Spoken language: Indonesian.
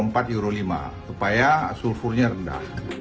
empat euro lima supaya sulfurnya rendah